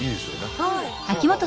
はい。